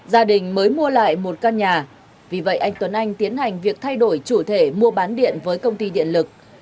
gia đình mới mua lại một căn nhà vì vậy anh tuấn anh tiến hành việc thay đổi chủ thể mua bán điện với công ty điện lực